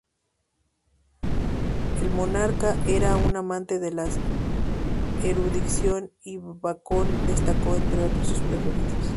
El monarca era un amante de la erudición y Bacon destacó entre sus preferidos.